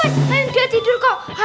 ampe dia tidur kok